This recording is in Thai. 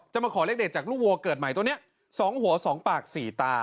จะมาขอเลขเด็ดจากลูกวัวเกิดใหม่ตัวเนี้ยสองหัวสองปากสี่ตา